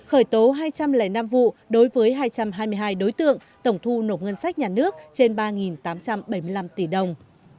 khởi tố hai trăm linh năm vụ đối với hai trăm hai mươi hai đối tượng tổng thu nộp ngân sách nhà nước trên ba tám trăm bảy mươi năm tỷ đồng